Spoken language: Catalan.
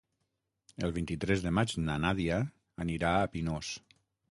El vint-i-tres de maig na Nàdia anirà a Pinós.